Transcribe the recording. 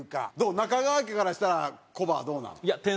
中川家からしたらコバはどうなん？